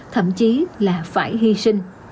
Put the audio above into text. thậm chí là phải hy sinh